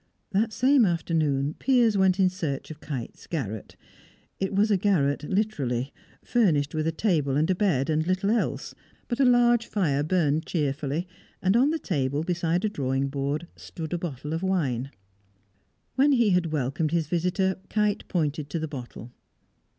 That same afternoon Piers went in search of Kite's garret. It was a garret literally, furnished with a table and a bed, and little else, but a large fire burned cheerfully, and on the table, beside a drawing board, stood a bottle of wine. When he had welcomed his visitor, Kite pointed to the bottle.